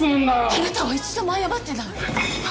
あなたは一度も謝ってない！